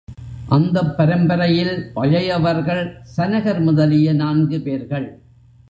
அந்தப் பரம்பரையில் பழையவர்கள் சனகர் முதலிய நான்கு பேர்கள்.